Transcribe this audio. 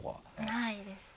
ないですね。